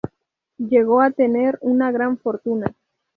Llegó a tener una gran fortuna.